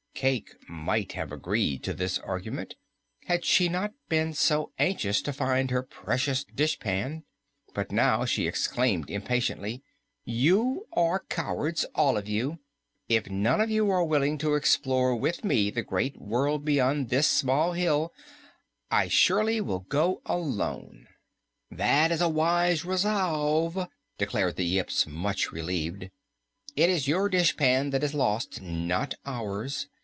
Cayke might have agreed to this argument had she not been so anxious to find her precious dishpan, but now she exclaimed impatiently, "You are cowards, all of you! If none of you are willing to explore with me the great world beyond this small hill, I will surely go alone." "That is a wise resolve," declared the Yips, much relieved. "It is your dishpan that is lost, not ours.